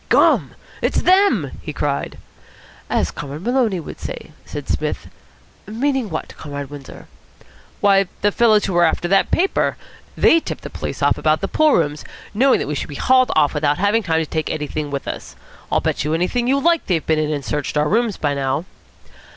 "Gum! it's them!" he cried. "As Comrade Maloney would say," said Psmith, "meaning what, Comrade Windsor?" "Why, the fellows who are after that paper. They tipped the police off about the pool rooms, knowing that we should be hauled off without having time to take anything with us. I'll bet anything you like they have been in and searched our rooms by now."